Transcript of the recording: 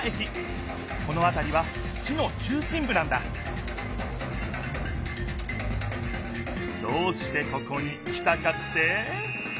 このあたりは市の中心ぶなんだどうしてここに来たかって？